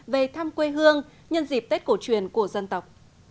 về thăm quê hương nhân dịp tết cổ truyền của dân tộc